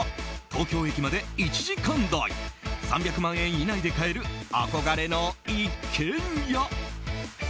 東京駅まで１時間台３００万円以内で買える憧れの一軒家。